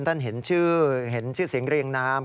ท่านเห็นชื่อเห็นชื่อเสียงเรียงน้ำ